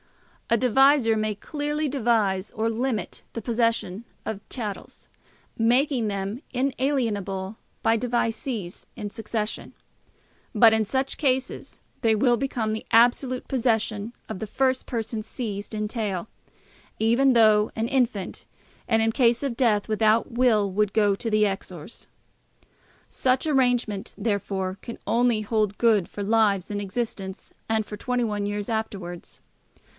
A devisor may clearly devise or limit the possession of chattels, making them inalienable by devisees in succession. But in such cases they will become the absolute possession of the first person seized in tail, even though an infant, and in case of death without will, would go to the Exors. Such arrangement, therefore, can only hold good for lives in existence and for 21 years afterwards.